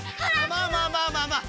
まあまあまあまあまあ！